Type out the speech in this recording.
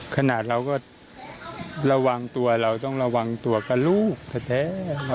ขนาดเราก็ระวังตัวเราต้องระวังตัวกับลูกแท้